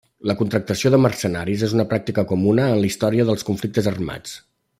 La contractació de mercenaris és una pràctica comuna en la història dels conflictes armats.